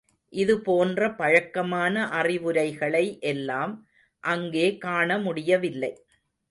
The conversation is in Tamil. இது போன்ற பழக்கமான அறிவுரைகளை எல்லாம் அங்கே காணமுடியவில்லை.